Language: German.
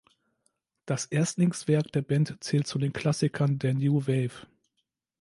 Das Erstlingswerk der Band zählt zu den Klassikern der New Wave.